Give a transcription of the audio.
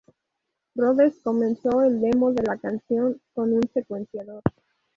Rhodes comenzó el demo de la canción con un secuenciador.